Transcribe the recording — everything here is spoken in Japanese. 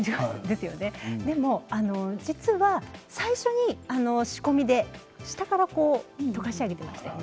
でも実は、最初に仕込みで下からとかし上げていましたね。